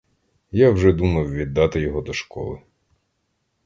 Я вже думав віддати його до школи.